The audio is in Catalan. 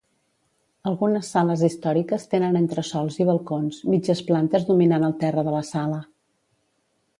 Algunes sales històriques tenen entresòls i balcons, mitges plantes dominant el terra de la sala.